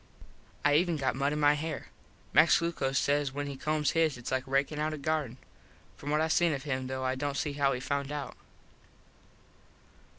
I even got mud in my hair. Max Glucos says when he combs his its like rakin out a garden. From what I seen of him though I dont see how he found out.